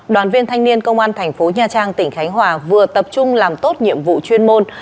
đoàn viên thanh niên công an thành phố nha trang tỉnh khánh hòa vừa tập trung làm tốt nhiệm vụ chuyên môn